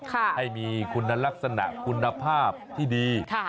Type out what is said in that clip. ให้มีคุณลักษณะคุณภาพที่ดี